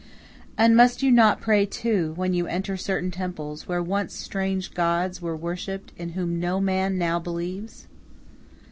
And must you not pray, too, when you enter certain temples where once strange gods were worshipped in whom no man now believes?